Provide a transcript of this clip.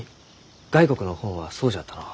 外国の本はそうじゃったのう。